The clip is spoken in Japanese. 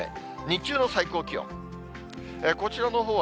日中の最高気温。